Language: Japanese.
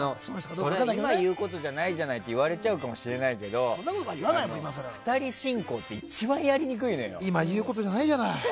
今言うことじゃないじゃないって言われちゃうかもしれないけど２人進行って一番やりにくいのよ。